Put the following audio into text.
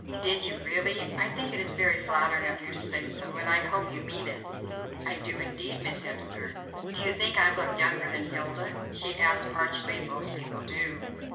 "Did you really? I think it is very flattering of you to say so, and I hope you mean it." "I do, indeed, Miss Hemster." "Do you think I look younger than Hilda?" she asked archly, "most people do."